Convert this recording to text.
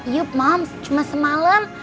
yuk moms cuma semalam